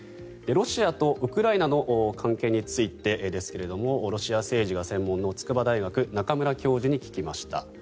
ロシアとウクライナの関係についてですがロシア政治が専門の筑波大学中村教授に聞きました。